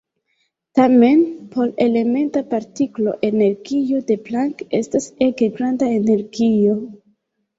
Tamen por elementa partiklo energio de Planck estas ege granda energio.